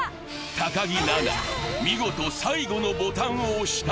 高木菜那、見事最後のボタンを押した。